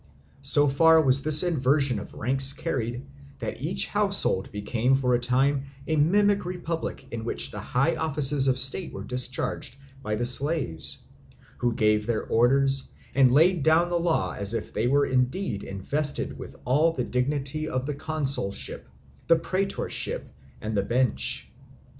So far was this inversion of ranks carried, that each household became for a time a mimic republic in which the high offices of state were discharged by the slaves, who gave their orders and laid down the law as if they were indeed invested with all the dignity of the consulship, the praetorship, and the bench.